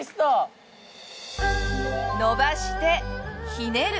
伸ばしてひねる。